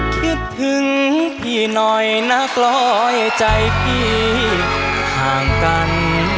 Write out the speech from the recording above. คิดถึงพี่หน่อยนักร้อยใจพี่ห่างกัน